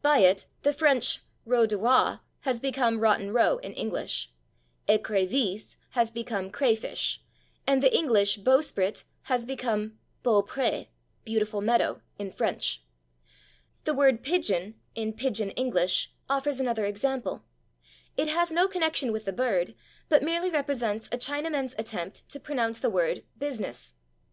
By it the French /route de roi/ has become /Rotten Row/ in English, /écrevisse/ has become /crayfish/, and the English /bowsprit/ has become /beau pré/ (=/beautiful meadow/) in French. The word /pigeon/, in /Pigeon English/, offers another example; it has no connection with the bird, but merely represents a Chinaman's attempt to pronounce the word /business